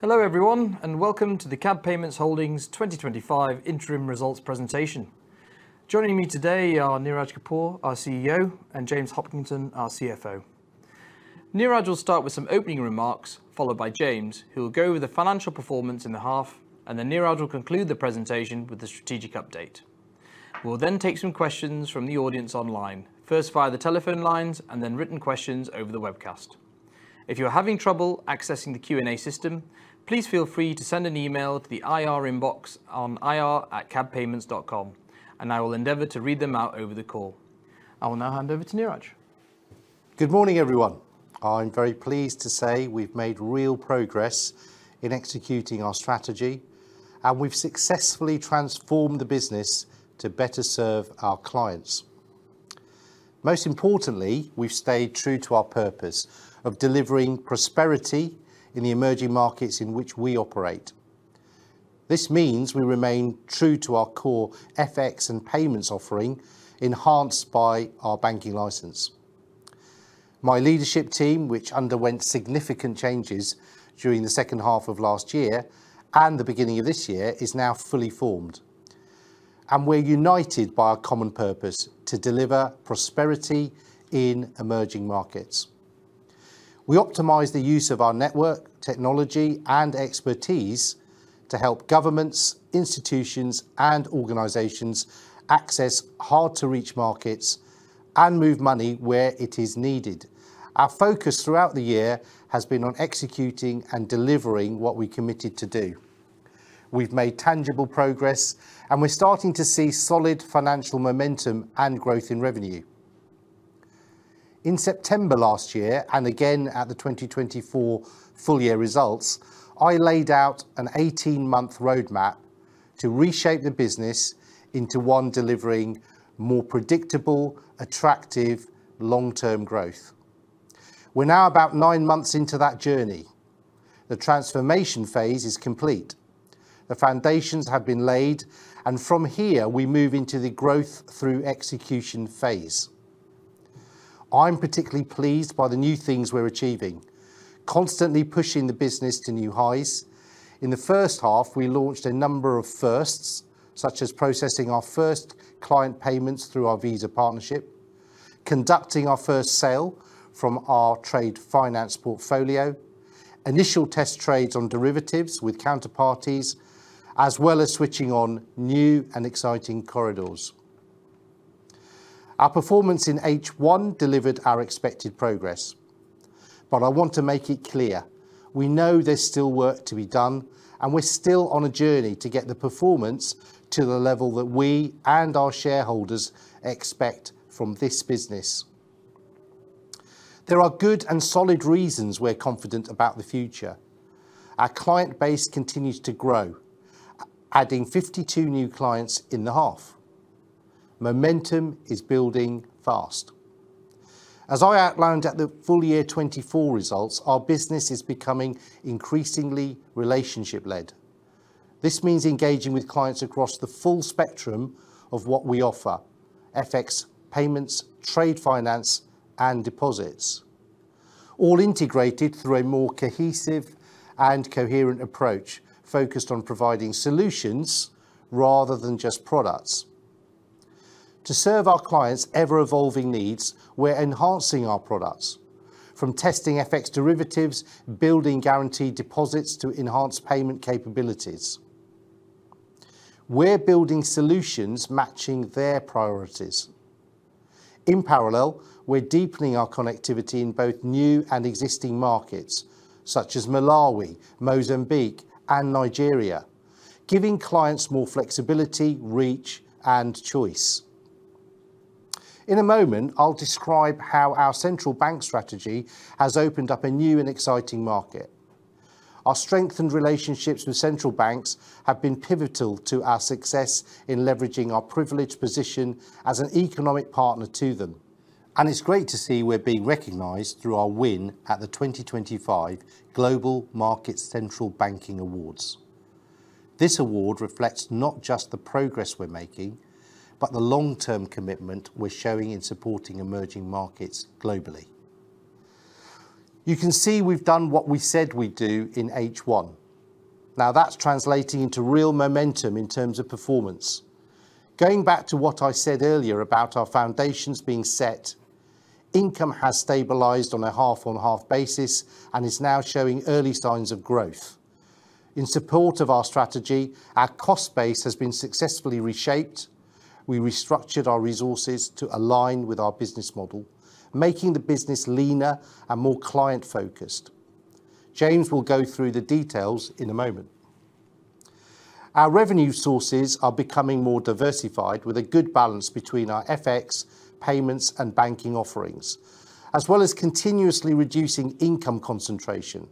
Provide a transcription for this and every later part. Hello everyone, and welcome to the CAB Payments Holdings 2025 Interim Results Presentation. Joining me today are Neeraj Kapur, our CEO, and James Hopkinson, our CFO. Neeraj will start with some opening remarks, followed by James, who will go over the financial performance in the half, and then Neeraj will conclude the presentation with a strategic update. We'll then take some questions from the audience online, first via the telephone lines and then written questions over the webcast. If you're having trouble accessing the Q&A system, please feel free to send an email to the IR inbox on ir@cabpayments.com, and I will endeavor to read them out over the call. I will now hand over to Neeraj. Good morning everyone. I'm very pleased to say we've made real progress in executing our strategy, and we've successfully transformed the business to better serve our clients. Most importantly, we've stayed true to our purpose of delivering prosperity in the emerging markets in which we operate. This means we remain true to our core FX and payments offering, enhanced by our banking license. My Leadership Team, which underwent significant changes during the second half of last year and the beginning of this year, is now fully formed, and we're united by a common purpose: to deliver prosperity in emerging markets. We optimize the use of our network, technology, and expertise to help governments, institutions, and organizations access hard-to-reach markets and move money where it is needed. Our focus throughout the year has been on executing and delivering what we committed to do. We've made tangible progress, and we're starting to see solid financial momentum and growth in revenue. In September last year, and again at the 2024 full-year results, I laid out an 18-month roadmap to reshape the business into one delivering more predictable, attractive, long-term growth. We're now about nine months into that journey. The transformation phase is complete. The foundations have been laid, and from here we move into the growth through execution phase. I'm particularly pleased by the new things we're achieving, constantly pushing the business to new heights. In the first half, we launched a number of firsts, such as processing our first client payments through our Visa partnership, conducting our first sale from our trade finance portfolio, initial test trades on derivatives with counterparties, as well as switching on new and exciting corridors. Our performance in H1 delivered our expected progress. I want to make it clear: we know there's still work to be done, and we're still on a journey to get the performance to the level that we and our shareholders expect from this business. There are good and solid reasons we're confident about the future. Our client base continues to grow, adding 52 new clients in the half. Momentum is building fast. As I outlined at the full-year 2024 results, our business is becoming increasingly relationship-led. This means engaging with clients across the full spectrum of what we offer: FX, payments, trade finance, and deposits, all integrated through a more cohesive and coherent approach focused on providing solutions rather than just products. To serve our clients' ever-evolving needs, we're enhancing our products, from testing FX derivatives, building guaranteed deposits, to enhanced payment capabilities. We're building solutions matching their priorities. In parallel, we're deepening our connectivity in both new and existing markets, such as Malawi, Mozambique, and Nigeria, giving clients more flexibility, reach, and choice. In a moment, I'll describe how our central bank strategy has opened up a new and exciting market. Our strengthened relationships with central banks have been pivotal to our success in leveraging our privileged position as an economic partner to them, and it's great to see we're being recognized through our win at the 2025 Global Markets Central Banking Awards. This award reflects not just the progress we're making, but the long-term commitment we're showing in supporting emerging markets globally. You can see we've done what we said we'd do in H1. Now that's translating into real momentum in terms of performance. Going back to what I said earlier about our foundations being set, income has stabilized on a half-on-half basis and is now showing early signs of growth. In support of our strategy, our cost base has been successfully reshaped. We restructured our resources to align with our business model, making the business leaner and more client-focused. James will go through the details in a moment. Our revenue sources are becoming more diversified, with a good balance between our FX, payments, and banking offerings, as well as continuously reducing income concentration.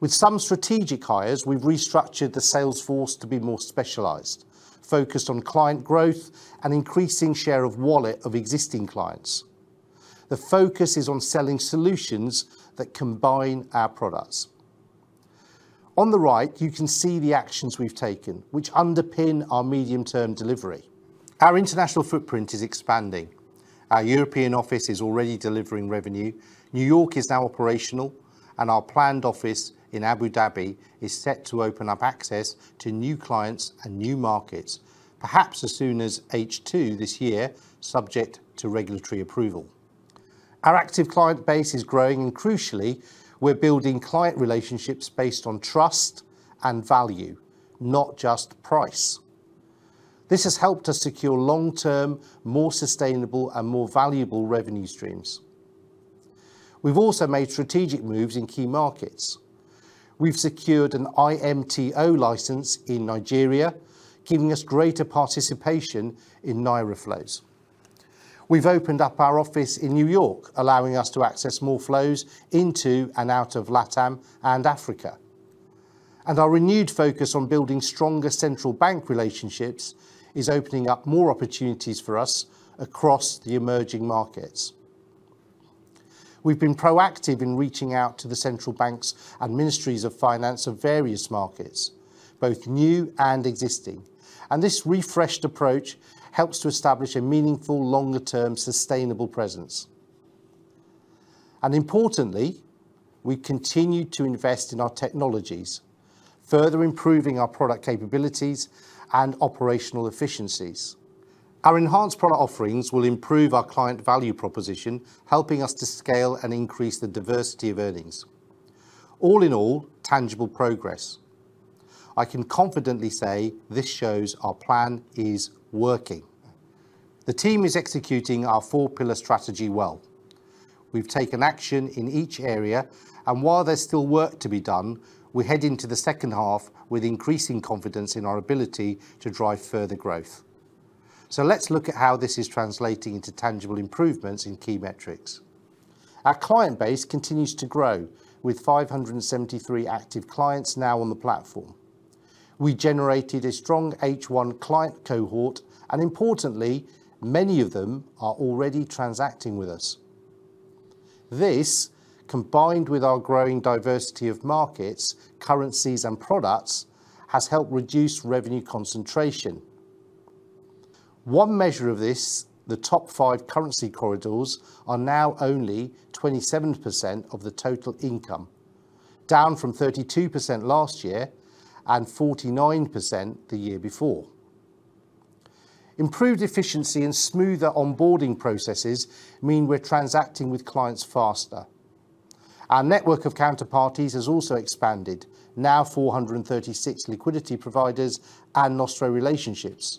With some strategic hires, we've restructured the sales force to be more specialized, focused on client growth and increasing the share of wallet of existing clients. The focus is on selling solutions that combine our products. On the right, you can see the actions we've taken, which underpin our medium-term delivery. Our international footprint is expanding. Our European office is already delivering revenue, New York is now operational, and our planned office in Abu Dhabi is set to open up access to new clients and new markets, perhaps as soon as H2 this year, subject to regulatory approval. Our active client base is growing, and crucially, we're building client relationships based on trust and value, not just price. This has helped us secure long-term, more sustainable, and more valuable revenue streams. We've also made strategic moves in key markets. We've secured an IMTO license in Nigeria, giving us greater participation in Naira flows. We've opened up our office in New York, allowing us to access more flows into and out of LATAM and Africa. Our renewed focus on building stronger central bank relationships is opening up more opportunities for us across the emerging markets. We've been proactive in reaching out to the central banks and ministries of finance of various markets, both new and existing, and this refreshed approach helps to establish a meaningful, longer-term, sustainable presence. Importantly, we've continued to invest in our technologies, further improving our product capabilities and operational efficiencies. Our enhanced product offerings will improve our client value proposition, helping us to scale and increase the diversity of earnings. All in all, tangible progress. I can confidently say this shows our plan is working. The team is executing our four-pillar strategy well. We've taken action in each area, and while there's still work to be done, we're heading to the second half with increasing confidence in our ability to drive further growth. Let's look at how this is translating into tangible improvements in key metrics. Our client base continues to grow, with 573 active clients now on the platform. We generated a strong H1 client cohort, and importantly, many of them are already transacting with us. This, combined with our growing diversity of markets, currencies, and products, has helped reduce revenue concentration. One measure of this, the top five currency corridors are now only 27% of the total income, down from 32% last year and 49% the year before. Improved efficiency and smoother onboarding processes mean we're transacting with clients faster. Our network of counterparties has also expanded, now 436 liquidity providers and Nostro relationships,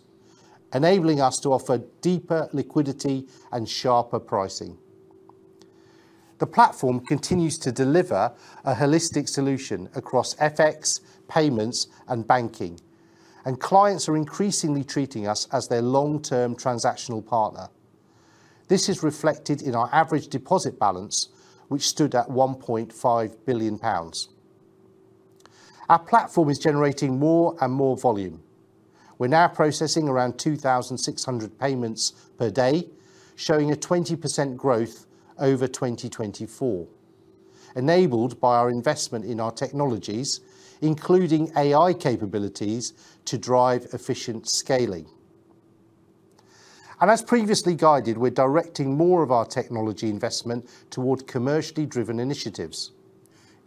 enabling us to offer deeper liquidity and sharper pricing. The platform continues to deliver a holistic solution across FX, payments, and banking, and clients are increasingly treating us as their long-term transactional partner. This is reflected in our average deposit balance, which stood at 1.5 billion pounds. Our platform is generating more and more volume. We're now processing around 2,600 payments per day, showing a 20% growth over 2024, enabled by our investment in our technologies, including AI capabilities to drive efficient scaling. As previously guided, we're directing more of our technology investment toward commercially driven initiatives.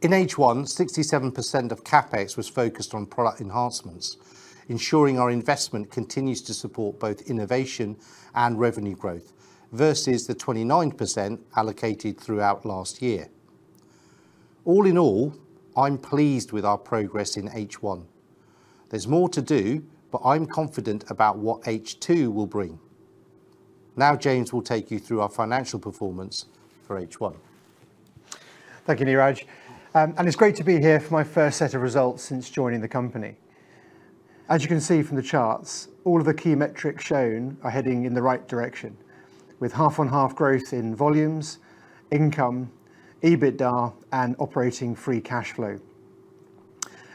In H1, 67% of CapEx was focused on product enhancements, ensuring our investment continues to support both innovation and revenue growth, versus the 29% allocated throughout last year. All in all, I'm pleased with our progress in H1. There's more to do, but I'm confident about what H2 will bring. Now James will take you through our financial performance for H1. Thank you, Neeraj. It's great to be here for my first set of results since joining the company. As you can see from the charts, all of the key metrics shown are heading in the right direction, with half-on-half growth in volumes, income, EBITDA, and operating free cash flow.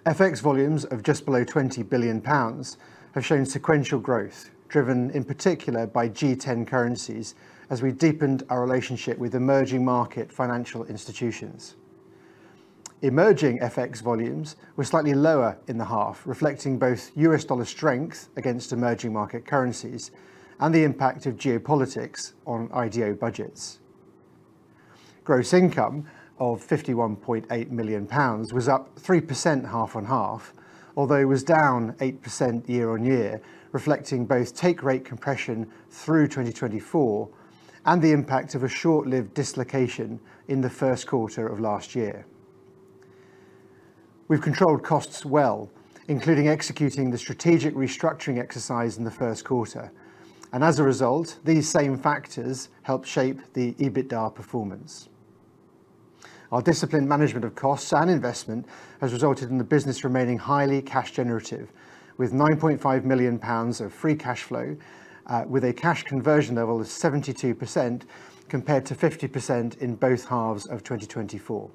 FX volumes of just below 20 billion pounds have shown sequential growth, driven in particular by G10 currencies, as we deepened our relationship with emerging market financial institutions. Emerging FX volumes were slightly lower in the half, reflecting both U.S. dollar strength against emerging market currencies and the impact of geopolitics on IDO budgets. Gross income of 51.8 million pounds was up 3% half-on-half, although it was down 8% year-on-year, reflecting both take rate compression through 2024 and the impact of a short-lived dislocation in the first quarter of last year. We've controlled costs well, including executing the strategic restructuring exercise in the first quarter, and as a result, these same factors help shape the EBITDA performance. Our disciplined management of costs and investment has resulted in the business remaining highly cash generative, with 9.5 million pounds of free cash flow, with a cash conversion level of 72% compared to 50% in both halves of 2024.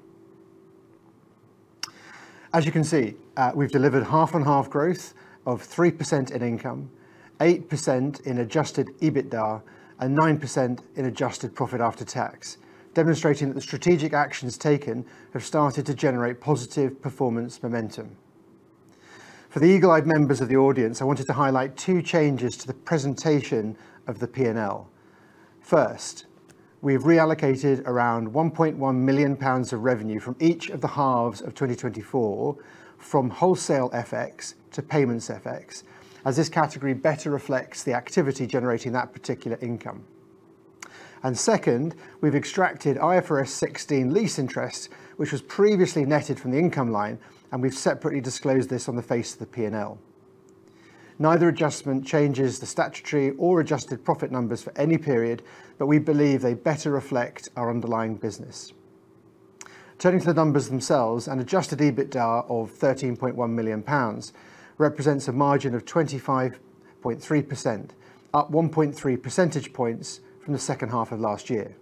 As you can see, we've delivered half-on-half growth of 3% in income, 8% in adjusted EBITDA, and 9% in adjusted profit after tax, demonstrating that the strategic actions taken have started to generate positive performance momentum. For the eagle-eyed members of the audience, I wanted to highlight two changes to the presentation of the P&L. First, we've reallocated around 1.1 million pounds of revenue from each of the halves of 2024, from wholesale FX to payments FX, as this category better reflects the activity generating that particular income. Second, we've extracted IFRS 16 lease interest, which was previously netted from the income line, and we've separately disclosed this on the face of the P&L. Neither adjustment changes the statutory or adjusted profit numbers for any period, but we believe they better reflect our underlying business. Turning to the numbers themselves, an adjusted EBITDA of 13.1 million pounds represents a margin of 25.3%, up 1.3 percentage points from the second half of last year.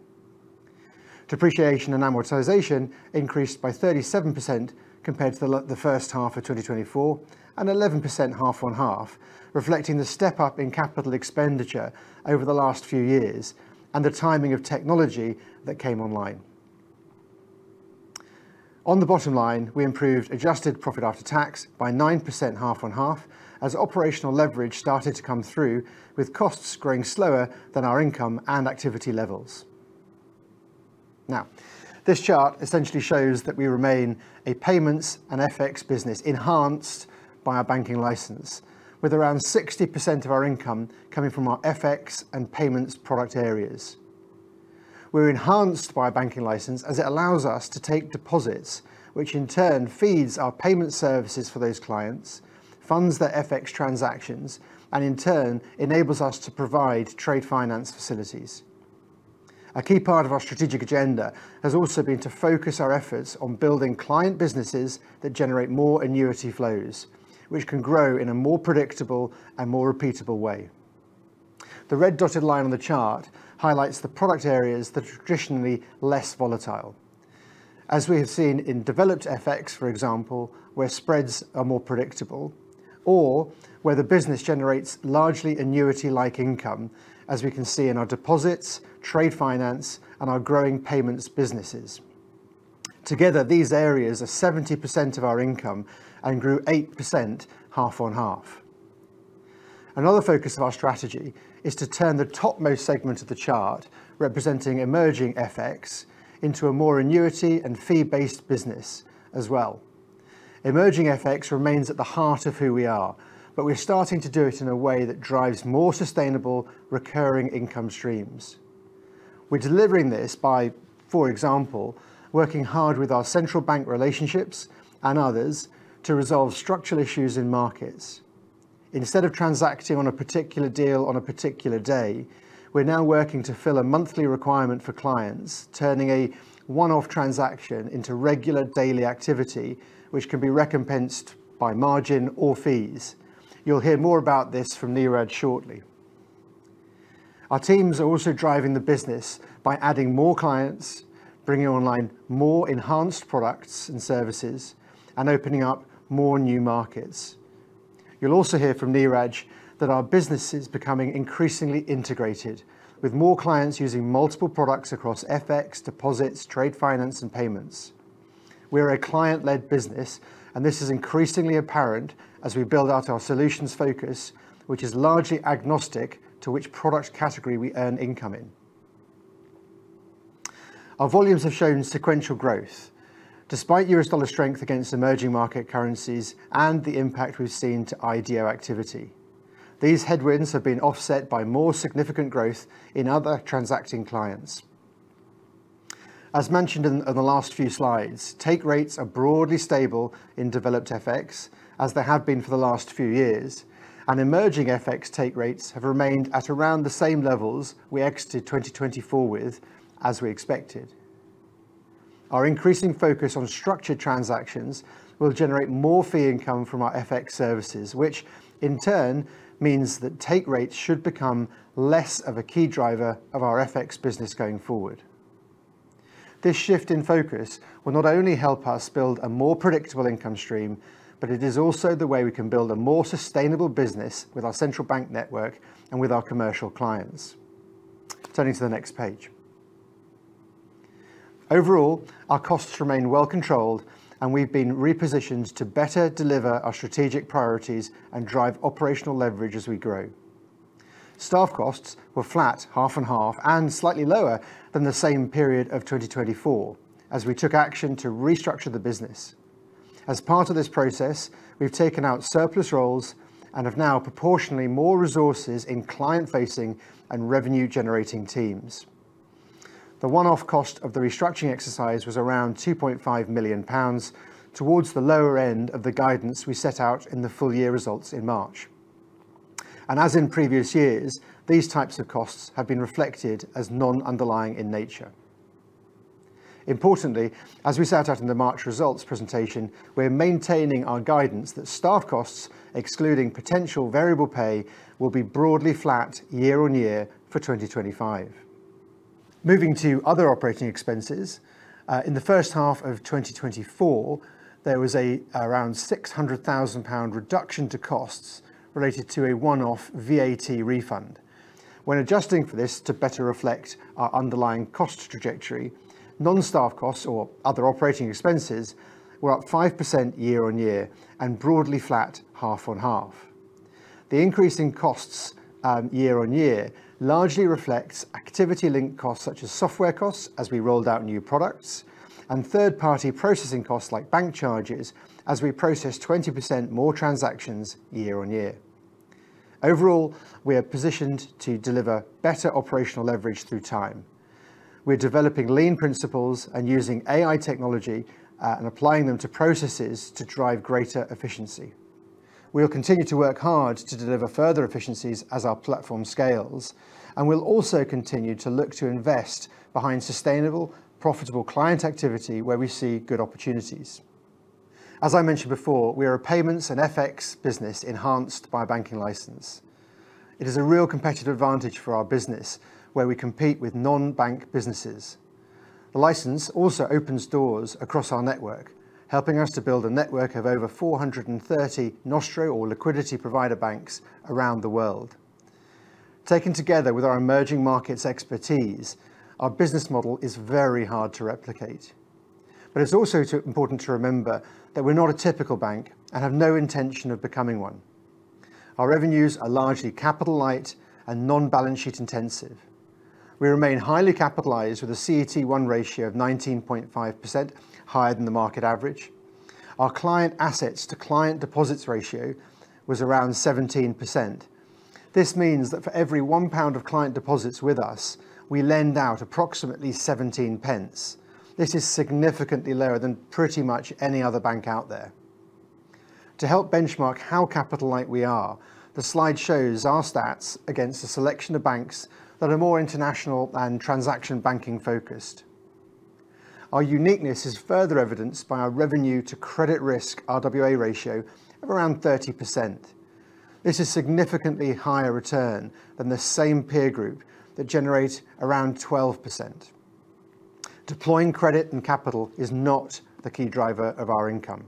Depreciation and amortization increased by 37% compared to the first half of 2024, and 11% half-on-half, reflecting the step up in capital expenditure over the last few years and the timing of technology that came online. On the bottom line, we improved adjusted profit after tax by 9% half-on-half, as operational leverage started to come through, with costs growing slower than our income and activity levels. This chart essentially shows that we remain a payments and FX business enhanced by our banking license, with around 60% of our income coming from our FX and payments product areas. We're enhanced by a banking license as it allows us to take deposits, which in turn feeds our payment services for those clients, funds their FX transactions, and in turn enables us to provide trade finance facilities. A key part of our strategic agenda has also been to focus our efforts on building client businesses that generate more annuity flows, which can grow in a more predictable and more repeatable way. The red-dotted line on the chart highlights the product areas that are traditionally less volatile. As we have seen in developed FX, for example, where spreads are more predictable, or where the business generates largely annuity-like income, as we can see in our deposits, trade finance, and our growing payments businesses. Together, these areas are 70% of our income and grew 8% half-on-half. Another focus of our strategy is to turn the topmost segment of the chart, representing emerging FX, into a more annuity and fee-based business as well. Emerging FX remains at the heart of who we are, but we're starting to do it in a way that drives more sustainable, recurring income streams. We're delivering this by, for example, working hard with our central bank relationships and others to resolve structural issues in markets. Instead of transacting on a particular deal on a particular day, we're now working to fill a monthly requirement for clients, turning a one-off transaction into regular daily activity, which can be recompensed by margin or fees. You'll hear more about this from Neeraj shortly. Our teams are also driving the business by adding more clients, bringing online more enhanced products and services, and opening up more new markets. You'll also hear from Neeraj that our business is becoming increasingly integrated, with more clients using multiple products across FX, deposits, trade finance, and payments. We're a client-led business, and this is increasingly apparent as we build out our solutions focus, which is largely agnostic to which product category we earn income in. Our volumes have shown sequential growth, despite U.S. dollar strength against emerging market currencies and the impact we've seen to IDO activity. These headwinds have been offset by more significant growth in other transacting clients. As mentioned in the last few slides, take rates are broadly stable in developed FX, as they have been for the last few years, and emerging FX take rates have remained at around the same levels we exited 2024 with, as we expected. Our increasing focus on structured transactions will generate more fee income from our FX services, which in turn means that take rates should become less of a key driver of our FX business going forward. This shift in focus will not only help us build a more predictable income stream, but it is also the way we can build a more sustainable business with our central bank network and with our commercial clients. Turning to the next page. Overall, our costs remain well controlled, and we've been repositioned to better deliver our strategic priorities and drive operational leverage as we grow. Staff costs were flat, half-on-half, and slightly lower than the same period of 2024, as we took action to restructure the business. As part of this process, we've taken out surplus roles and have now proportionately more resources in client-facing and revenue-generating teams. The one-off cost of the restructuring exercise was around 2.5 million pounds toward the lower end of the guidance we set out in the full-year results in March. As in previous years, these types of costs have been reflected as non-underlying in nature. Importantly, as we set out in the March results presentation, we're maintaining our guidance that staff costs, excluding potential variable pay, will be broadly flat year-on-year for 2025. Moving to other operating expenses, in the first half of 2024, there was around 600,000 pound reduction to costs related to a one-off VAT refund. When adjusting for this to better reflect our underlying cost trajectory, non-staff costs or other operating expenses were up 5% year-on-year and broadly flat half-on-half. The increase in costs year-on-year largely reflects activity-linked costs such as software costs as we rolled out new products and third-party processing costs like bank charges as we processed 20% more transactions year-on-year. Overall, we are positioned to deliver better operational leverage through time. We're developing lean principles and using AI technology and applying them to processes to drive greater efficiency. We'll continue to work hard to deliver further efficiencies as our platform scales, and we'll also continue to look to invest behind sustainable, profitable client activity where we see good opportunities. As I mentioned before, we are a payments and FX business enhanced by a banking license. It is a real competitive advantage for our business where we compete with non-bank businesses. The license also opens doors across our network, helping us to build a network of over 430 Nostro or liquidity provider banks around the world. Taken together with our emerging markets expertise, our business model is very hard to replicate. It's also important to remember that we're not a typical bank and have no intention of becoming one. Our revenues are largely capital-light and non-balance sheet intensive. We remain highly capitalized with a CET1 ratio of 19.5%, higher than the market average. Our client assets-to-client deposits ratio was around 17%. This means that for every 1 pound of client deposits with us, we lend out approximately 0.17. This is significantly lower than pretty much any other bank out there. To help benchmark how capital-light we are, the slide shows our stats against a selection of banks that are more international and transaction banking focused. Our uniqueness is further evidenced by our revenue to credit risk RWA ratio of around 30%. This is a significantly higher return than the same peer group that generates around 12%. Deploying credit and capital is not the key driver of our income.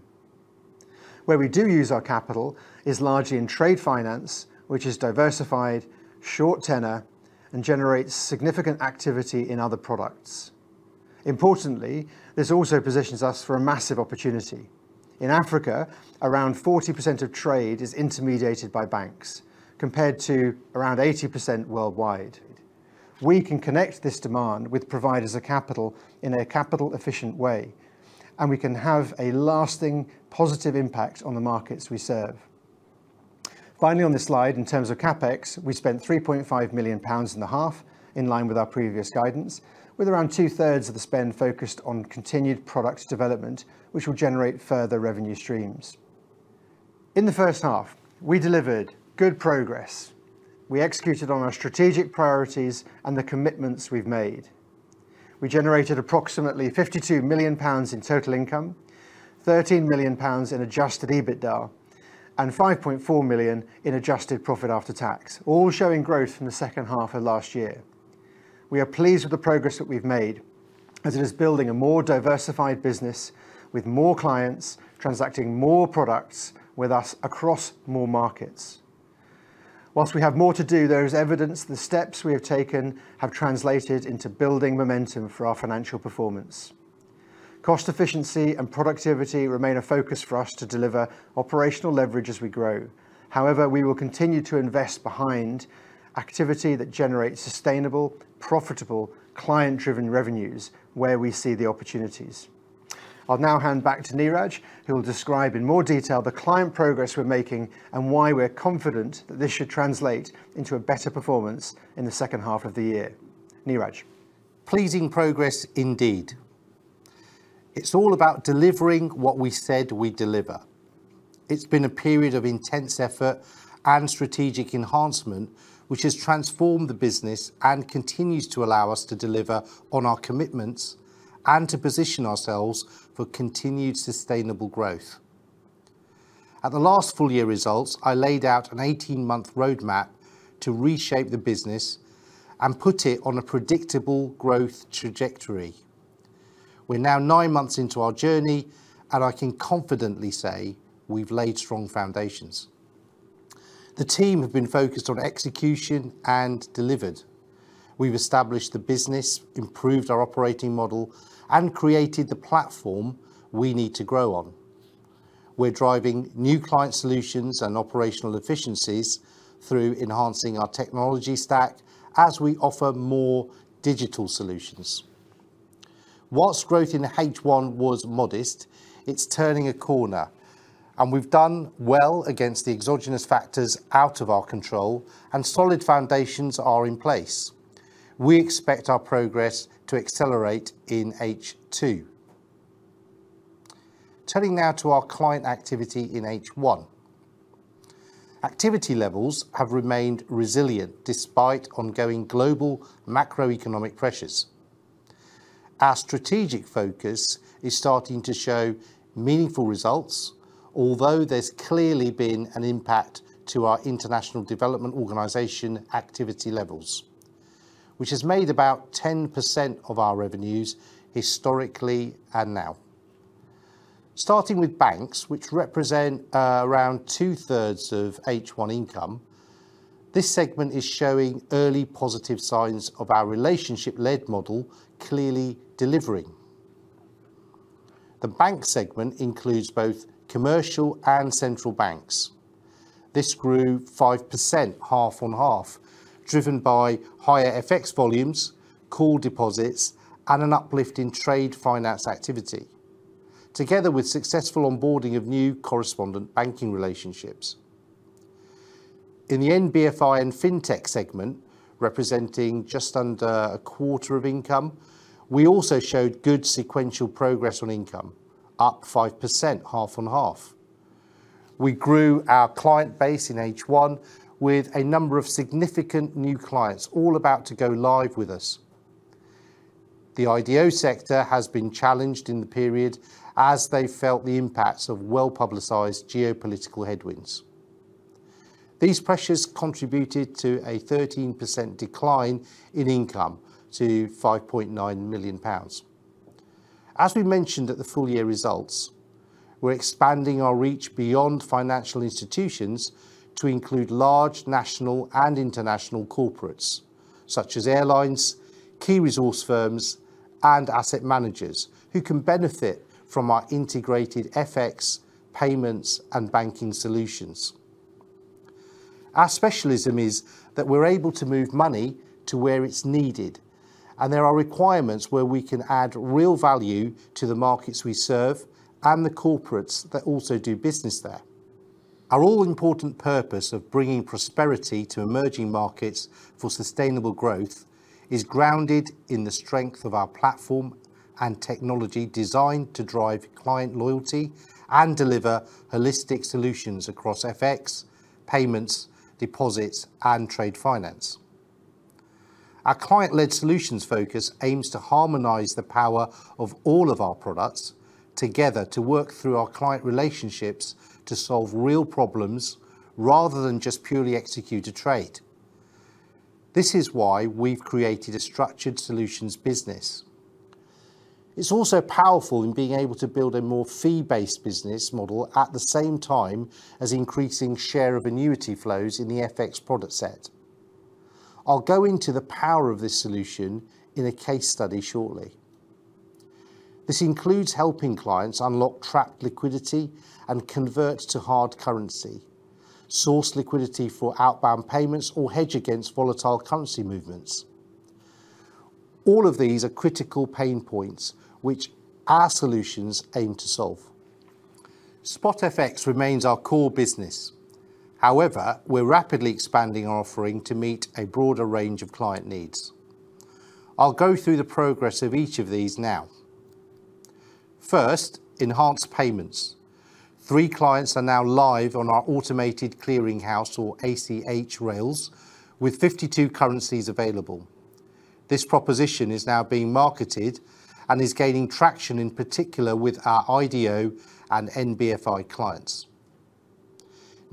Where we do use our capital is largely in trade finance, which is diversified, short tenor, and generates significant activity in other products. Importantly, this also positions us for a massive opportunity. In Africa, around 40% of trade is intermediated by banks, compared to around 80% worldwide. We can connect this demand with providers of capital in a capital-efficient way, and we can have a lasting positive impact on the markets we serve. Finally, on this slide, in terms of CapEx, we spent 3.5 million pounds in the half, in line with our previous guidance, with around 2/3 of the spend focused on continued product development, which will generate further revenue streams. In the first half, we delivered good progress. We executed on our strategic priorities and the commitments we've made. We generated approximately 52 million pounds in total income, 13 million pounds in adjusted EBITDA, and 5.4 million in adjusted profit after tax, all showing growth from the second half of last year. We are pleased with the progress that we've made, as it is building a more diversified business with more clients transacting more products with us across more markets. Whilst we have more to do, there is evidence the steps we have taken have translated into building momentum for our financial performance. Cost efficiency and productivity remain a focus for us to deliver operational leverage as we grow. However, we will continue to invest behind activity that generates sustainable, profitable, client-driven revenues where we see the opportunities. I'll now hand back to Neeraj, who will describe in more detail the client progress we're making and why we're confident that this should translate into a better performance in the second half of the year. Neeraj. Pleasing progress indeed. It's all about delivering what we said we'd deliver. It's been a period of intense effort and strategic enhancement, which has transformed the business and continues to allow us to deliver on our commitments and to position ourselves for continued sustainable growth. At the last full-year results, I laid out an 18-month roadmap to reshape the business and put it on a predictable growth trajectory. We're now nine months into our journey, and I can confidently say we've laid strong foundations. The team has been focused on execution and delivered. We've established the business, improved our operating model, and created the platform we need to grow on. We're driving new client solutions and operational efficiencies through enhancing our technology stack as we offer more digital solutions. Whilst growth in H1 was modest, it's turning a corner, and we've done well against the exogenous factors out of our control, and solid foundations are in place. We expect our progress to accelerate in H2. Turning now to our client activity in H1. Activity levels have remained resilient despite ongoing global macroeconomic pressures. Our strategic focus is starting to show meaningful results, although there's clearly been an impact to our international development organization activity levels, which has made about 10% of our revenues historically and now. Starting with banks, which represent around 2/3 of H1 income, this segment is showing early positive signs of our relationship-led model clearly delivering. The bank segment includes both commercial and central banks. This grew 5% half-on-half, driven by higher FX volumes, core deposits, and an uplift in trade finance activity, together with successful onboarding of new correspondent banking relationships. In the NBFI and fintech segment, representing just under a quarter of income, we also showed good sequential progress on income, up 5% half-on-half. We grew our client base in H1 with a number of significant new clients all about to go live with us. The IDO sector has been challenged in the period as they felt the impacts of well-publicized geopolitical headwinds. These pressures contributed to a 13% decline in income to 5.9 million pounds. As we mentioned at the full-year results, we're expanding our reach beyond financial institutions to include large national and international corporates, such as airlines, key resource firms, and asset managers who can benefit from our integrated FX, payments, and banking solutions. Our specialism is that we're able to move money to where it's needed, and there are requirements where we can add real value to the markets we serve and the corporates that also do business there. Our all-important purpose of bringing prosperity to emerging markets for sustainable growth is grounded in the strength of our platform and technology designed to drive client loyalty and deliver holistic solutions across FX, payments, deposits, and trade finance. Our client-led solutions focus aims to harmonize the power of all of our products together to work through our client relationships to solve real problems rather than just purely execute a trade. This is why we've created a structured solutions business. It's also powerful in being able to build a more fee-based business model at the same time as increasing share of annuity flows in the FX product set. I'll go into the power of this solution in a case study shortly. This includes helping clients unlock trapped liquidity and convert to hard currency, source liquidity for outbound payments, or hedge against volatile currency movements. All of these are critical pain points which our solutions aim to solve. Spot FX remains our core business. However, we're rapidly expanding our offering to meet a broader range of client needs. I'll go through the progress of each of these now. First, enhanced payments. Three clients are now live on our automated clearinghouse, or ACH, rails, with 52 currencies available. This proposition is now being marketed and is gaining traction in particular with our IDO and NBFI clients.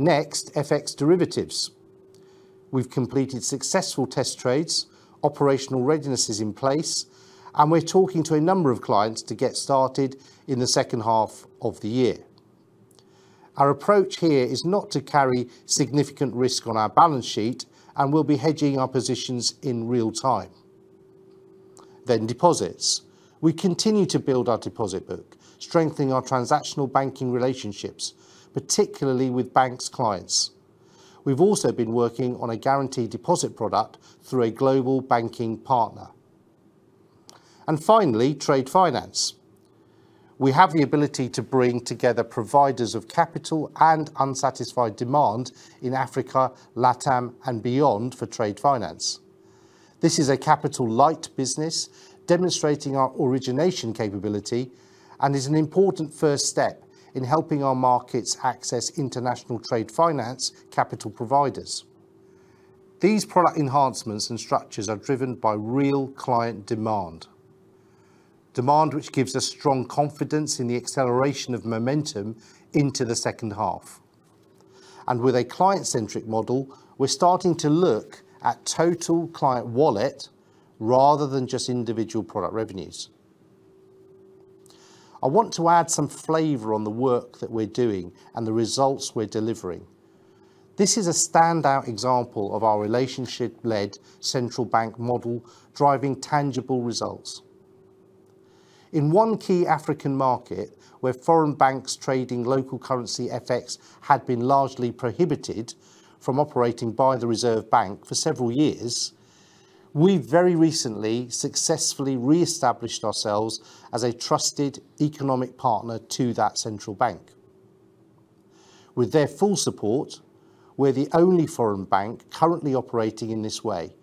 Next, FX derivatives. We've completed successful test trades, operational readiness is in place, and we're talking to a number of clients to get started in the second half of the year. Our approach here is not to carry significant risk on our balance sheet, and we'll be hedging our positions in real time. Next, deposits. We continue to build our deposit book, strengthening our transactional banking relationships, particularly with banks clients. We've also been working on a guaranteed deposit product through a global banking partner. Finally, trade finance. We have the ability to bring together providers of capital and unsatisfied demand in Africa, LATAM, and beyond for trade finance. This is a capital-light business demonstrating our origination capability and is an important first step in helping our markets access international trade finance capital providers. These product enhancements and structures are driven by real client demand, demand which gives us strong confidence in the acceleration of momentum into the second half. With a client-centric model, we're starting to look at total client wallet rather than just individual product revenues. I want to add some flavor on the work that we're doing and the results we're delivering. This is a standout example of our relationship-led central bank model driving tangible results. In one key African market where foreign banks trading local currency FX had been largely prohibited from operating by the Reserve Bank for several years, we very recently successfully reestablished ourselves as a trusted economic partner to that central bank. With their full support, we're the only foreign bank currently operating in this way,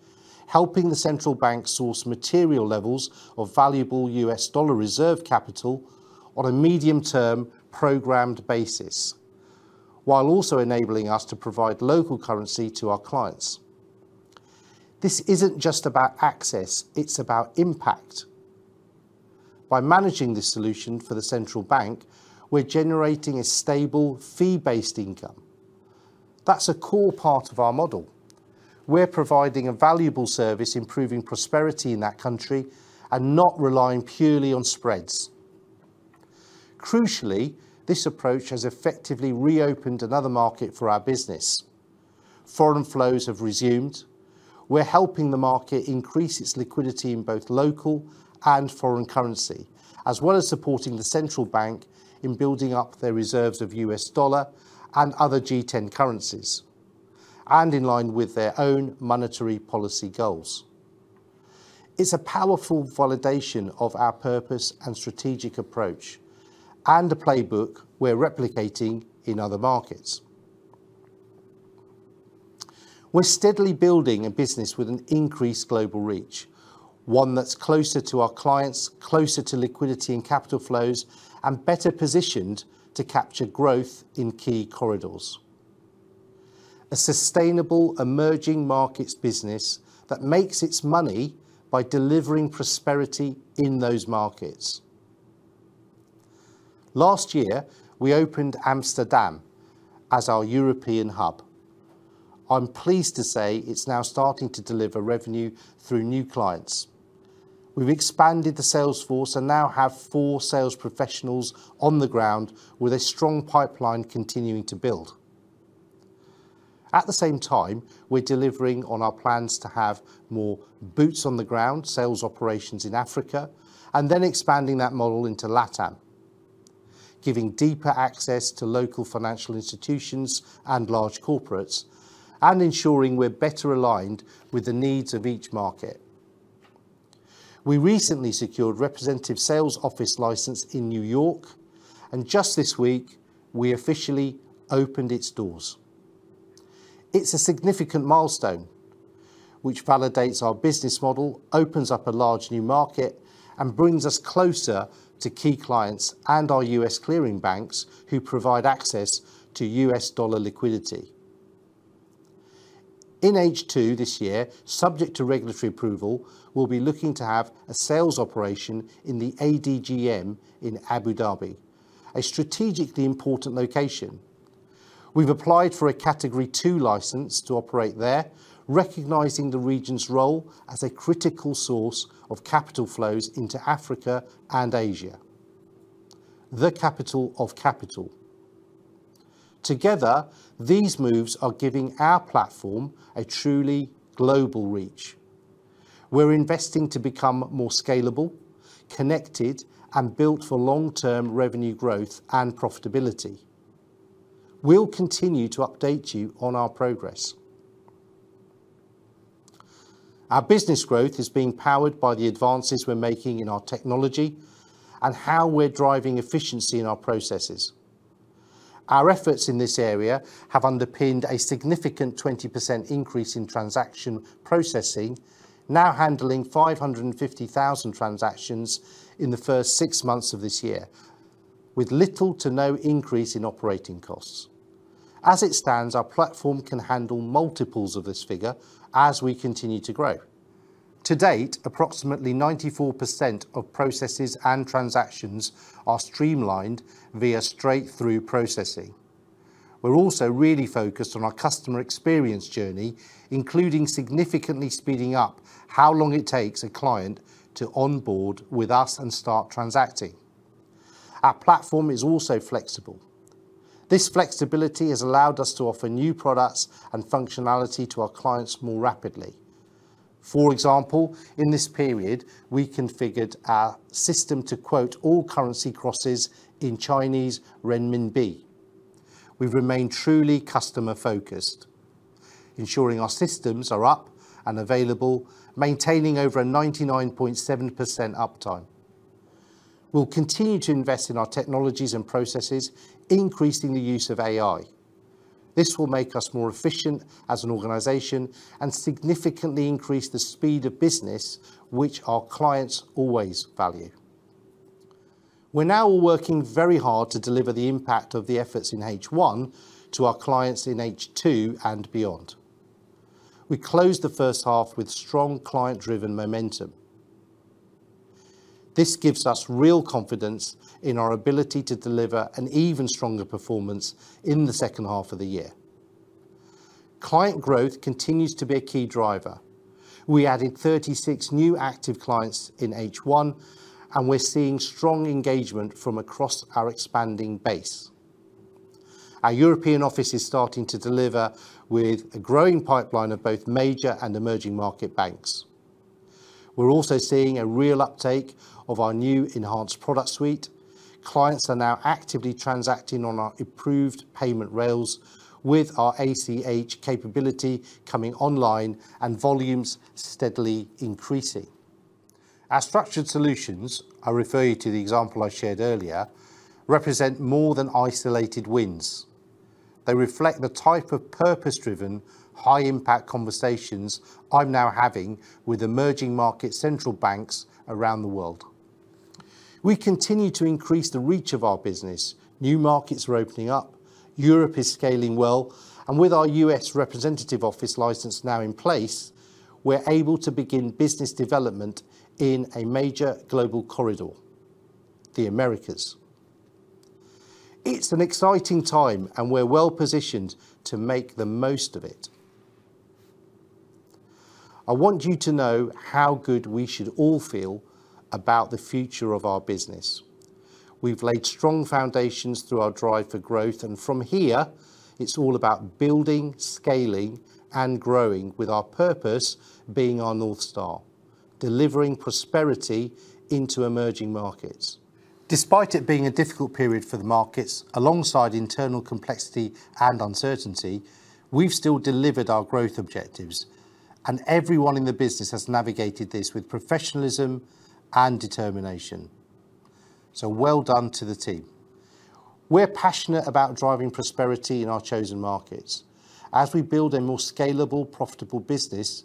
helping the central bank source material levels of valuable U.S. dollar reserve capital on a medium-term programmed basis, while also enabling us to provide local currency to our clients. This isn't just about access; it's about impact. By managing this solution for the central bank, we're generating a stable fee-based income. That's a core part of our model. We're providing a valuable service, improving prosperity in that country, and not relying purely on spreads. Crucially, this approach has effectively reopened another market for our business. Foreign flows have resumed. We're helping the market increase its liquidity in both local and foreign currency, as well as supporting the central bank in building up their reserves of U.S. dollar and other G10 currencies, and in line with their own monetary policy goals. It's a powerful validation of our purpose and strategic approach and a playbook we're replicating in other markets. We're steadily building a business with an increased global reach, one that's closer to our clients, closer to liquidity and capital flows, and better positioned to capture growth in key corridors. A sustainable emerging markets business that makes its money by delivering prosperity in those markets. Last year, we opened Amsterdam as our European hub. I'm pleased to say it's now starting to deliver revenue through new clients. We've expanded the sales force and now have four sales professionals on the ground, with a strong pipeline continuing to build. At the same time, we're delivering on our plans to have more boots on the ground sales operations in Africa, and expanding that model into LATAM, giving deeper access to local financial institutions and large corporates, and ensuring we're better aligned with the needs of each market. We recently secured a representative sales office license in New York, and just this week, we officially opened its doors. It's a significant milestone, which validates our business model, opens up a large new market, and brings us closer to key clients and our U.S. clearing banks who provide access to U.S. dollar liquidity. In H2 this year, subject to regulatory approval, we'll be looking to have a sales operation in the ADGM in Abu Dhabi, a strategically important location. We've applied for a Category 2 license to operate there, recognizing the region's role as a critical source of capital flows into Africa and Asia, the capital of capital. Together, these moves are giving our platform a truly global reach. We're investing to become more scalable, connected, and built for long-term revenue growth and profitability. We'll continue to update you on our progress. Our business growth is being powered by the advances we're making in our technology and how we're driving efficiency in our processes. Our efforts in this area have underpinned a significant 20% increase in transaction processing, now handling 550,000 transactions in the first six months of this year, with little to no increase in operating costs. As it stands, our platform can handle multiples of this figure as we continue to grow. To date, approximately 94% of processes and transactions are streamlined via straight-through processing. We're also really focused on our customer experience journey, including significantly speeding up how long it takes a client to onboard with us and start transacting. Our platform is also flexible. This flexibility has allowed us to offer new products and functionality to our clients more rapidly. For example, in this period, we configured our system to quote all currency crosses in Chinese Renminbi. We've remained truly customer-focused, ensuring our systems are up and available, maintaining over a 99.7% uptime. We'll continue to invest in our technologies and processes, increasing the use of AI. This will make us more efficient as an organization and significantly increase the speed of business, which our clients always value. We're now all working very hard to deliver the impact of the efforts in H1 to our clients in H2 and beyond. We closed the first half with strong client-driven momentum. This gives us real confidence in our ability to deliver an even stronger performance in the second half of the year. Client growth continues to be a key driver. We added 36 new active clients in H1, and we're seeing strong engagement from across our expanding base. Our European office is starting to deliver with a growing pipeline of both major and emerging market banks. We're also seeing a real uptake of our new enhanced product suite. Clients are now actively transacting on our improved payment rails with our ACH capability coming online and volumes steadily increasing. Our structured solutions, I refer you to the example I shared earlier, represent more than isolated wins. They reflect the type of purpose-driven, high-impact conversations I'm now having with emerging market central banks around the world. We continue to increase the reach of our business. New markets are opening up. Europe is scaling well, and with our U.S. representative office license now in place, we're able to begin business development in a major global corridor, the Americas. It's an exciting time, and we're well positioned to make the most of it. I want you to know how good we should all feel about the future of our business. We've laid strong foundations through our drive for growth, and from here, it's all about building, scaling, and growing, with our purpose being our North Star, delivering prosperity into emerging markets. Despite it being a difficult period for the markets, alongside internal complexity and uncertainty, we've still delivered our growth objectives, and everyone in the business has navigated this with professionalism and determination. Well done to the team. We're passionate about driving prosperity in our chosen markets. As we build a more scalable, profitable business,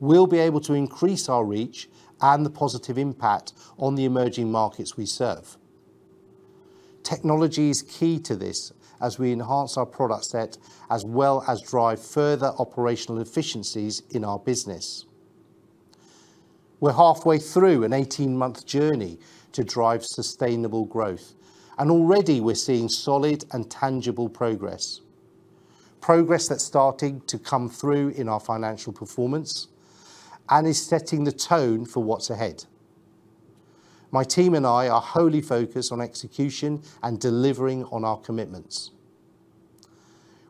we'll be able to increase our reach and the positive impact on the emerging markets we serve. Technology is key to this as we enhance our product set, as well as drive further operational efficiencies in our business. We're halfway through an 18-month journey to drive sustainable growth, and already we're seeing solid and tangible progress. Progress that's starting to come through in our financial performance and is setting the tone for what's ahead. My team and I are wholly focused on execution and delivering on our commitments.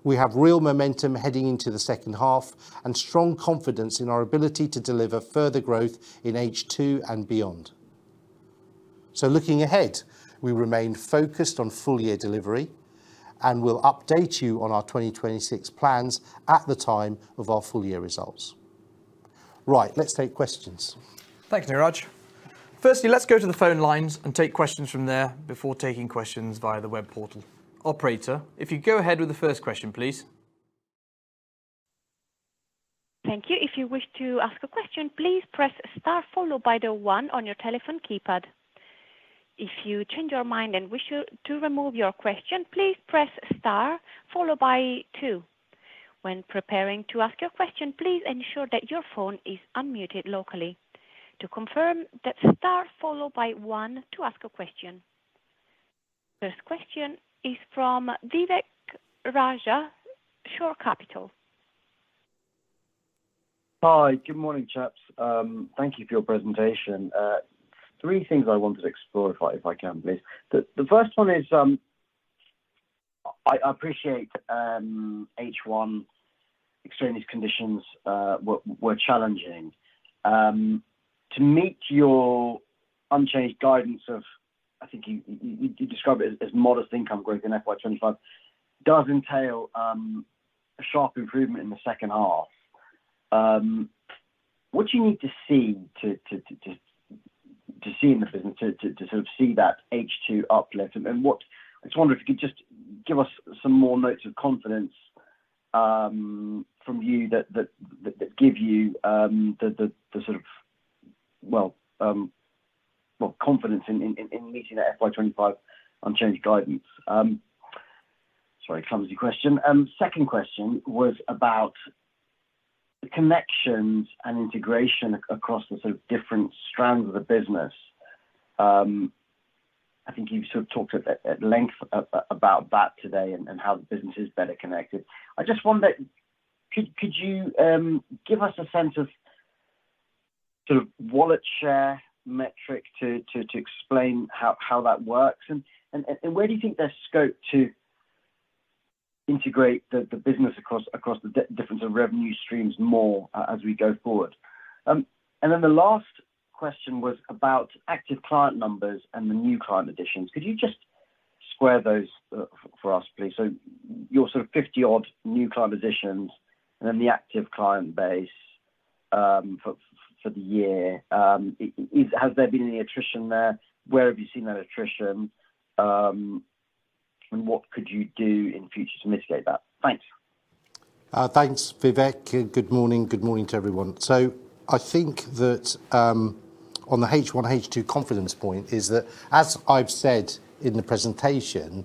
We have real momentum heading into the second half and strong confidence in our ability to deliver further growth in H2 and beyond. Looking ahead, we remain focused on full-year delivery, and we'll update you on our 2026 plans at the time of our full-year results. Right, let's take questions. Thanks, Neeraj. Firstly, let's go to the phone lines and take questions from there before taking questions via the web portal. Operator, if you go ahead with the first question, please. Thank you. If you wish to ask a question, please press star followed by one on your telephone keypad. If you change your mind and wish to remove your question, please press star followed by two. When preparing to ask your question, please ensure that your phone is unmuted locally. To confirm, that's star followed by one to ask a question. First question is from Vivek Raja, Shore Capital. Hi, good morning, chaps. Thank you for your presentation. Three things I wanted to explore, if I can, please. The first one is I appreciate H1, extremely conditions were challenging. To meet your unchanged guidance of, I think you described it as modest income growth in FY2025, does entail a sharp improvement in the second half. What do you need to see in the business to sort of see that H2 uplift? I just wonder if you could just give us some more notes of confidence from you that give you the sort of, well, confidence in meeting that FY2025 unchanged guidance. Sorry, clumsy question. Second question was about the connections and integration across the sort of different strands of the business. I think you sort of talked at length about that today and how the business is better connected. I just wonder, could you give us a sense of sort of wallet share metric to explain how that works? Where do you think there's scope to integrate the business across the different revenue streams more as we go forward? The last question was about active client numbers and the new client additions. Could you just square those for us, please? Your sort of 50-odd new client additions and then the active client base for the year, has there been any attrition there? Where have you seen that attrition? What could you do in the future to mitigate that? Thanks. Thanks, Vivek. Good morning. Good morning to everyone. I think that on the H1, H2 confidence point is that, as I've said in the presentation,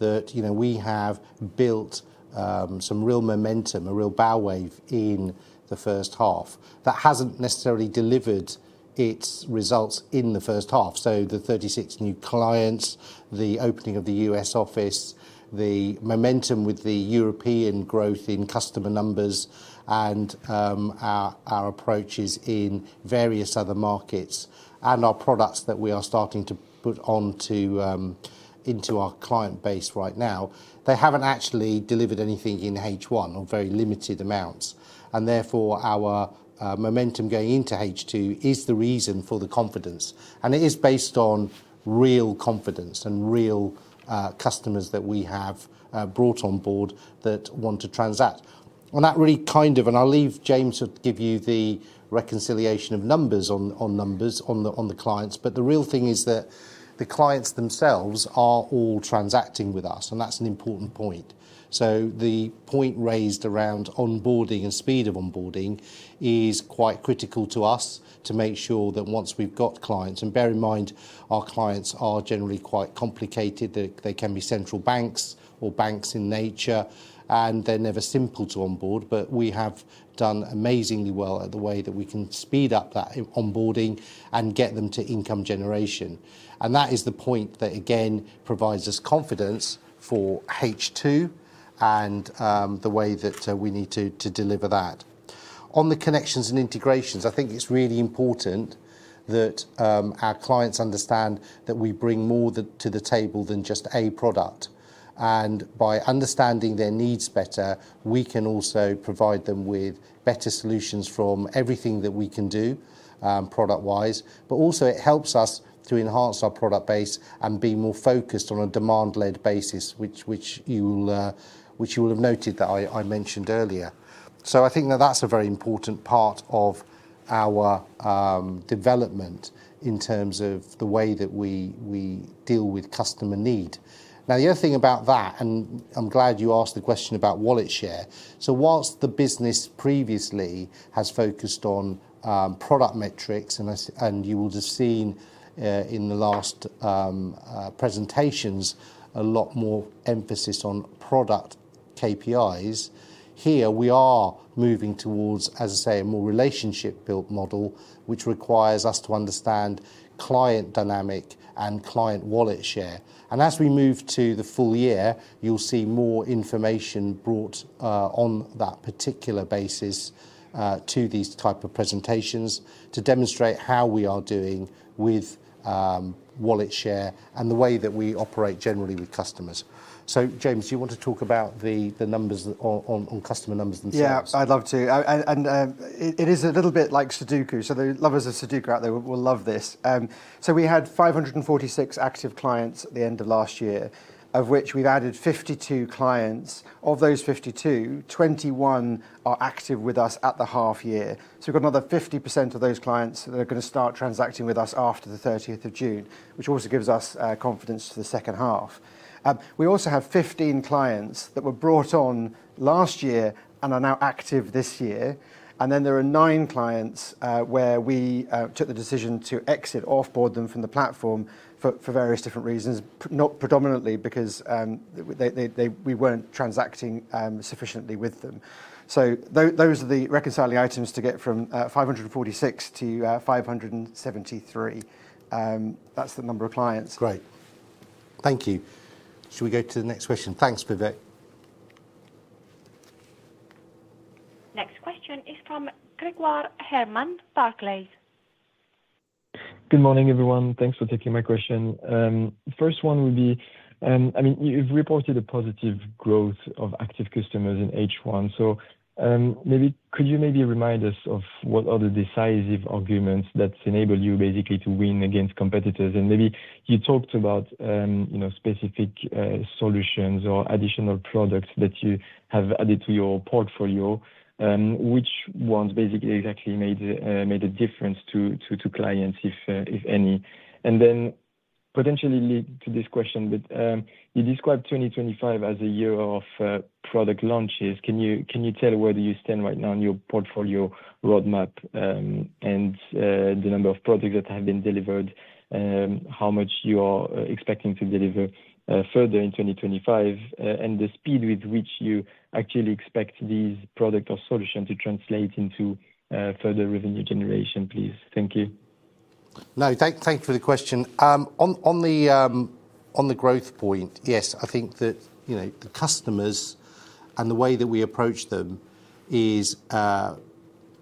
we have built some real momentum, a real bow wave in the first half that hasn't necessarily delivered its results in the first half. The 36 new clients, the opening of the U.S. office, the momentum with the European growth in customer numbers, and our approaches in various other markets, and our products that we are starting to put onto our client base right now, they haven't actually delivered anything in H1 or very limited amounts. Therefore, our momentum going into H2 is the reason for the confidence. It is based on real confidence and real customers that we have brought on board that want to transact. On that, I'll leave James to give you the reconciliation of numbers on the clients, but the real thing is that the clients themselves are all transacting with us, and that's an important point. The point raised around onboarding and speed of onboarding is quite critical to us to make sure that once we've got clients, and bear in mind, our clients are generally quite complicated. They can be central banks or banks in nature, and they're never simple to onboard. We have done amazingly well at the way that we can speed up that onboarding and get them to income generation. That is the point that, again, provides us confidence for H2 and the way that we need to deliver that. On the connections and integrations, I think it's really important that our clients understand that we bring more to the table than just a product. By understanding their needs better, we can also provide them with better solutions from everything that we can do product-wise. It helps us to enhance our product base and be more focused on a demand-led basis, which you will have noted that I mentioned earlier. I think that that's a very important part of our development in terms of the way that we deal with customer need. The other thing about that, and I'm glad you asked the question about wallet share, is that whilst the business previously has focused on product metrics, and you will have seen in the last presentations a lot more emphasis on product KPIs, here we are moving towards, as I say, a more relationship-built model, which requires us to understand client dynamic and client wallet share. As we move to the full year, you'll see more information brought on that particular basis to these types of presentations to demonstrate how we are doing with wallet share and the way that we operate generally with customers. James, do you want to talk about the numbers on customer numbers themselves? Yeah, I'd love to. It is a little bit like Sudoku. The lovers of Sudoku out there will love this. We had 546 active clients at the end of last year, of which we've added 52 clients. Of those 52, 21 are active with us at the half year. We've got another 50% of those clients that are going to start transacting with us after the 30th of June, which also gives us confidence to the second half. We also have 15 clients that were brought on last year and are now active this year. There are nine clients where we took the decision to exit, offboard them from the platform for various different reasons, not predominantly because we weren't transacting sufficiently with them. Those are the reconciling items to get from 546 to 573. That's the number of clients. Great. Thank you. Should we go to the next question? Thanks, Vivek. Next question is from Grégoire Hermann, Barclays. Good morning, everyone. Thanks for taking my question. The first one would be, I mean, you've reported a positive growth of active customers in H1. Could you maybe remind us of what are the decisive arguments that enable you basically to win against competitors? You talked about specific solutions or additional products that you have added to your portfolio, which ones basically exactly made a difference to clients, if any, and then potentially lead to this question. You described 2025 as a year of product launches. Can you tell where do you stand right now in your portfolio roadmap and the number of products that have been delivered, how much you are expecting to deliver further in 2025, and the speed with which you actually expect these products or solutions to translate into further revenue generation, please? Thank you. No, thank you for the question. On the growth point, yes, I think that the customers and the way that we approach them is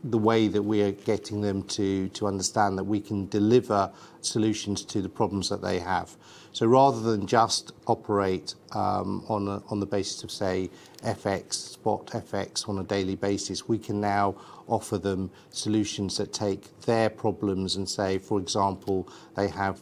the way that we are getting them to understand that we can deliver solutions to the problems that they have. Rather than just operate on the basis of, say, FX, spot FX on a daily basis, we can now offer them solutions that take their problems and say, for example, they have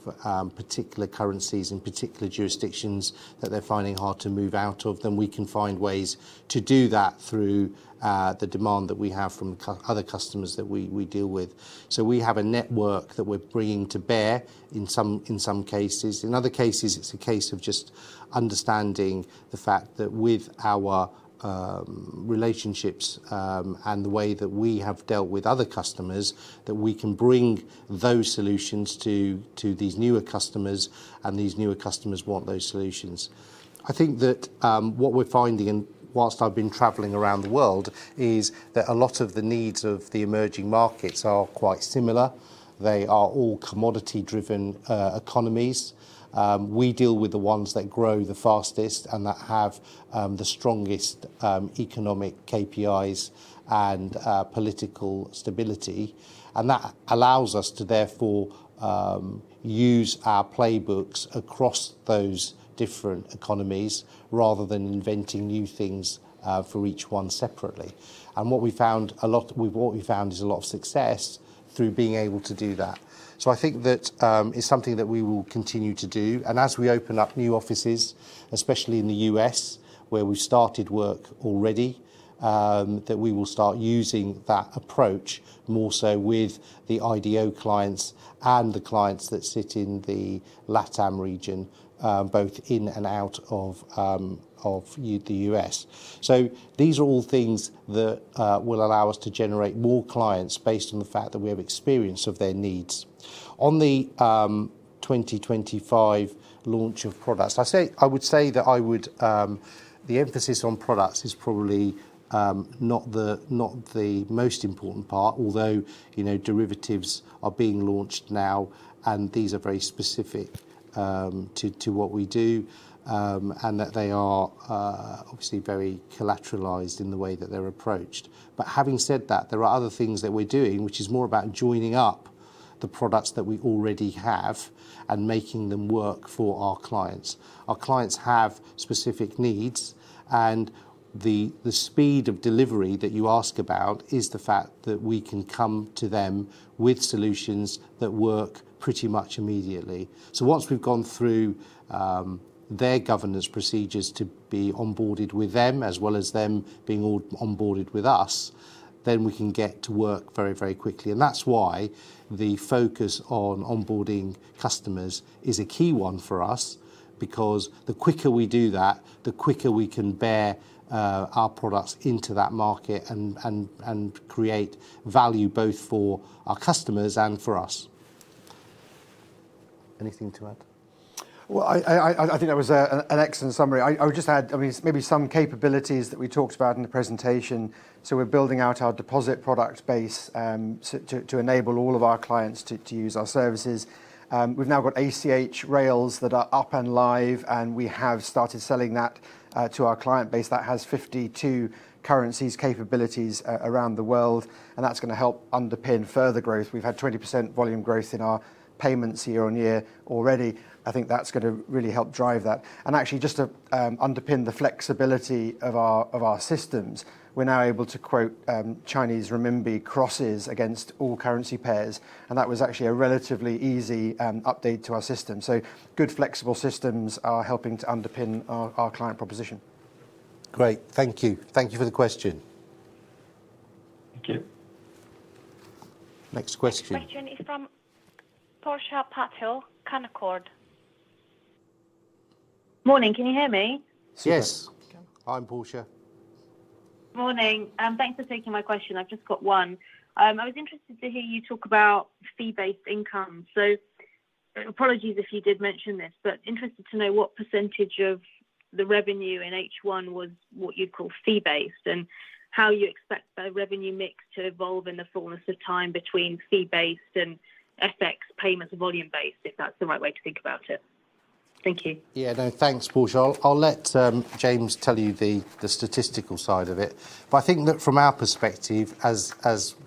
particular currencies and particular jurisdictions that they're finding hard to move out of. We can find ways to do that through the demand that we have from other customers that we deal with. We have a network that we're bringing to bear in some cases. In other cases, it's a case of just understanding the fact that with our relationships and the way that we have dealt with other customers, we can bring those solutions to these newer customers, and these newer customers want those solutions. I think that what we're finding, and whilst I've been traveling around the world, is that a lot of the needs of the emerging markets are quite similar. They are all commodity-driven economies. We deal with the ones that grow the fastest and that have the strongest economic KPIs and political stability. That allows us to therefore use our playbooks across those different economies rather than inventing new things for each one separately. What we found is a lot of success through being able to do that. I think that it's something that we will continue to do. As we open up new offices, especially in the U.S., where we've started work already, we will start using that approach more so with the IDO clients and the clients that sit in the LATAM region, both in and out of the U.S. These are all things that will allow us to generate more clients based on the fact that we have experience of their needs. On the 2025 launch of products, I would say that the emphasis on products is probably not the most important part, although derivatives are being launched now, and these are very specific to what we do, and that they are obviously very collateralized in the way that they're approached. Having said that, there are other things that we're doing, which is more about joining up the products that we already have and making them work for our clients. Our clients have specific needs, and the speed of delivery that you ask about is the fact that we can come to them with solutions that work pretty much immediately. Once we've gone through their governance procedures to be onboarded with them, as well as them being onboarded with us, we can get to work very, very quickly. That's why the focus on onboarding customers is a key one for us, because the quicker we do that, the quicker we can bear our products into that market and create value both for our customers and for us. I think that was an excellent summary. I would just add, maybe some capabilities that we talked about in the presentation. We're building out our deposit product base to enable all of our clients to use our services. We've now got ACH rails that are up and live, and we have started selling that to our client base that has 52 currencies capabilities around the world. That's going to help underpin further growth. We've had 20% volume growth in our payments year-on-year already. I think that's going to really help drive that. Actually, just to underpin the flexibility of our systems, we're now able to quote Chinese renminbi crosses against all currency pairs. That was actually a relatively easy update to our system. Good flexible systems are helping to underpin our client proposition. Great. Thank you. Thank you for the question. Thank you. Next question. Next question is from Portia Patel Canaccord. Morning. Can you hear me? Yes. I'm Portia. Morning. Thanks for taking my question. I've just got one. I was interested to hear you talk about fee-based income. Apologies if you did mention this, but interested to know what percentage of the revenue in H1 was what you call fee-based and how you expect the revenue mix to evolve in the fullness of time between fee-based and FX payments volume-based, if that's the right way to think about it. Thank you. Yeah, no, thanks, Portia. I'll let James tell you the statistical side of it. I think that from our perspective, as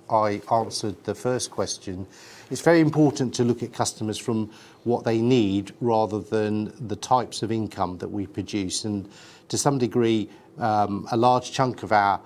I answered the first question, it's very important to look at customers from what they need rather than the types of income that we produce. To some degree, a large chunk of our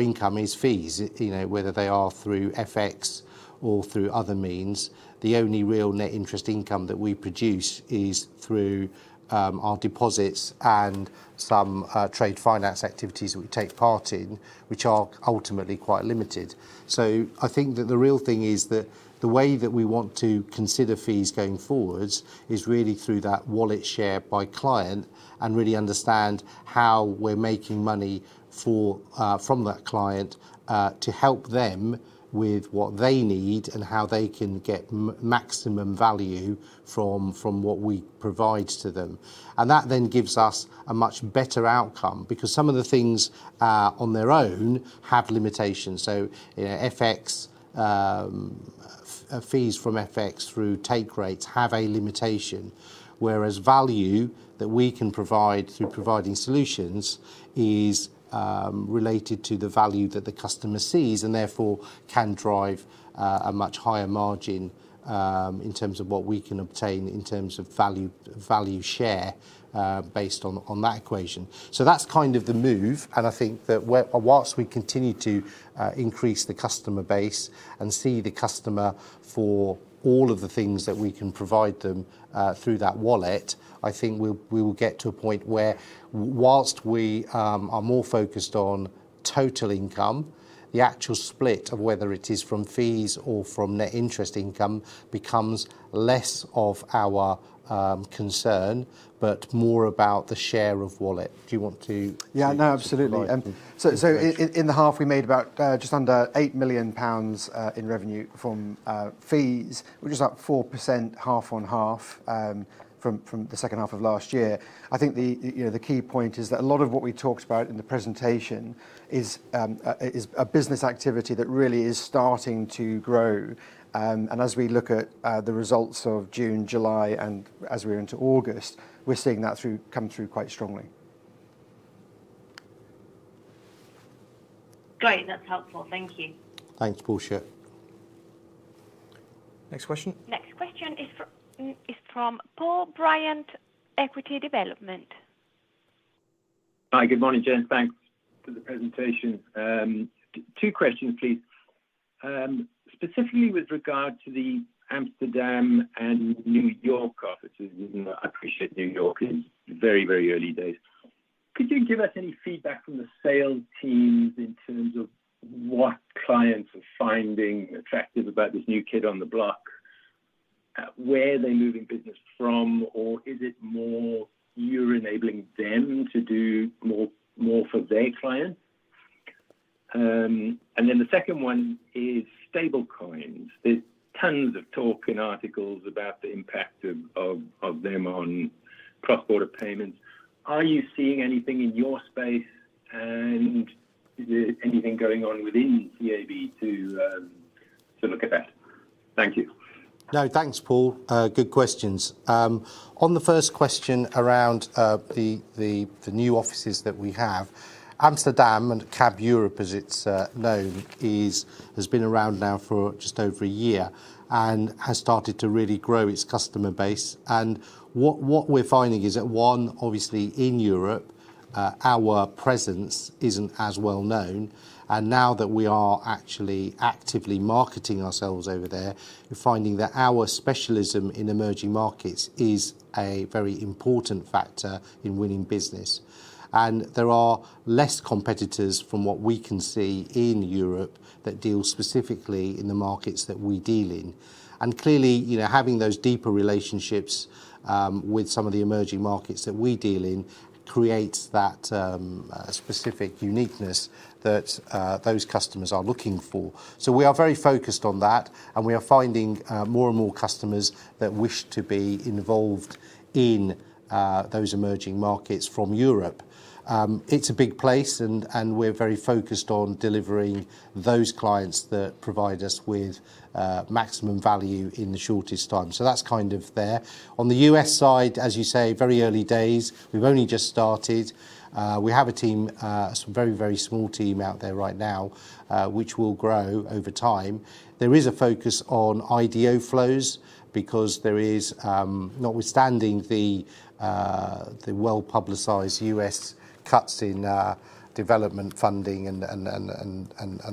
income is fees, whether they are through FX or through other means. The only real net interest income that we produce is through our deposits and some trade finance activities that we take part in, which are ultimately quite limited. I think that the real thing is that the way that we want to consider fees going forward is really through that wallet share by client and really understand how we're making money from that client to help them with what they need and how they can get maximum value from what we provide to them. That then gives us a much better outcome because some of the things on their own have limitations. Fees from FX through take rates have a limitation, whereas value that we can provide through providing solutions is related to the value that the customer sees and therefore can drive a much higher margin in terms of what we can obtain in terms of value share based on that equation. That's kind of the move. I think that whilst we continue to increase the customer base and see the customer for all of the things that we can provide them through that wallet, I think we will get to a point where whilst we are more focused on total income, the actual split of whether it is from fees or from net interest income becomes less of our concern, but more about the share of wallet. Do you want to? Yeah, no, absolutely. In the half we made just under 8 million pounds in revenue from fees, which is up 4% half-on-half from the second half of last year. I think the key point is that a lot of what we talked about in the presentation is a business activity that really is starting to grow. As we look at the results of June, July, and as we're into August, we're seeing that come through quite strongly. Great. That's helpful. Thank you. Thanks, Portia. Next question. Next question is from Paul Bryant, Equity Development. Hi, good morning, James. Thanks for the presentation. Two questions, please. Specifically with regard to the Amsterdam and New York offices, even though I appreciate New York in very, very early days, could you give us any feedback from the sales teams in terms of what clients are finding attractive about this new kid on the block? Where are they moving business from, or is it more you're enabling them to do more for their clients? The second one is stablecoins. There's tons of talk and articles about the impact of them on cross-border payments. Are you seeing anything in your space, and is there anything going on within CAB? No, thanks, Paul. Good questions. On the first question around the new offices that we have, Amsterdam and CAB Europe, as it's known, has been around now for just over a year and has started to really grow its customer base. What we're finding is that, obviously, in Europe, our presence isn't as well known. Now that we are actually actively marketing ourselves over there, we're finding that our specialism in emerging markets is a very important factor in winning business. There are less competitors from what we can see in Europe that deal specifically in the markets that we deal in. Clearly, having those deeper relationships with some of the emerging markets that we deal in creates that specific uniqueness that those customers are looking for. We are very focused on that, and we are finding more and more customers that wish to be involved in those emerging markets from Europe. It's a big place, and we're very focused on delivering those clients that provide us with maximum value in the shortest time. That's kind of there. On the U.S. side, as you say, very early days, we've only just started. We have a team, a very, very small team out there right now, which will grow over time. There is a focus on IDO flows because, notwithstanding the well-publicized U.S. cuts in development funding and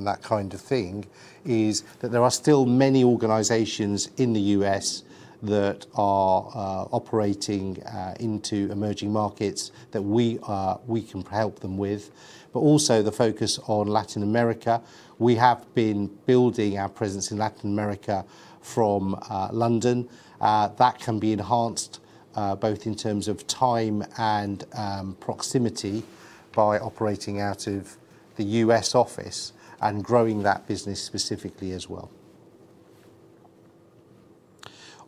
that kind of thing, there are still many organizations in the U.S. that are operating into emerging markets that we can help them with. Also, the focus on Latin America. We have been building our presence in Latin America from London. That can be enhanced both in terms of time and proximity by operating out of the U.S. office and growing that business specifically as well.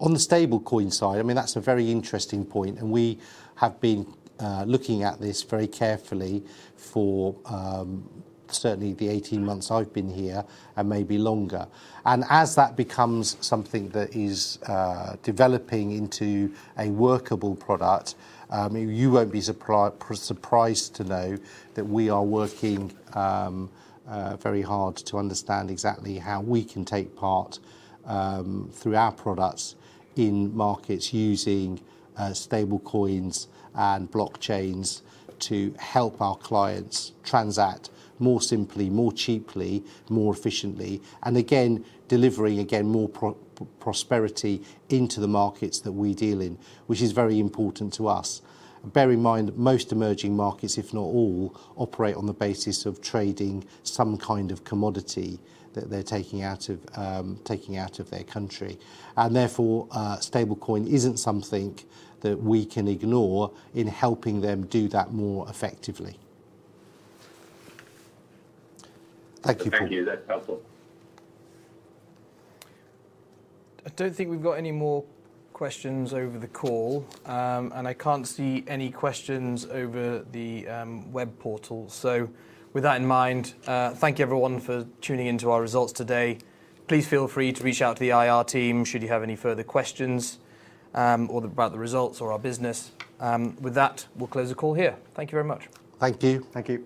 On the stablecoin side, that's a very interesting point. We have been looking at this very carefully for certainly the 18 months I've been here and maybe longer. As that becomes something that is developing into a workable product, you won't be surprised to know that we are working very hard to understand exactly how we can take part through our products in markets using stablecoins and blockchains to help our clients transact more simply, more cheaply, more efficiently, and again, delivering again more prosperity into the markets that we deal in, which is very important to us. Bear in mind that most emerging markets, if not all, operate on the basis of trading some kind of commodity that they're taking out of their country. Therefore, stablecoin isn't something that we can ignore in helping them do that more effectively. Thank you, Paul. Thank you, Neeraj. I don't think we've got any more questions over the call, and I can't see any questions over the web portal. With that in mind, thank you everyone for tuning into our results today. Please feel free to reach out to the IR team should you have any further questions about the results or our business. With that, we'll close the call here. Thank you very much. Thank you. Thank you.